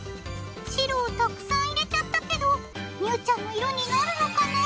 しろをたくさん入れちゃったけどみゅーちゃんのいろになるのかな？